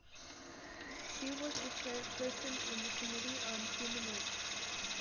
She was the Chairperson on the Committee on Human Rights.